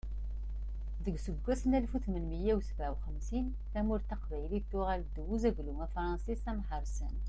Deg useggas n alef u tmenmiyya u sebɛa u xemsin, tamurt taqbaylit tuɣal ddaw n uzaglu afṛensis amhersan.